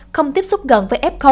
không tiếp xúc gần với f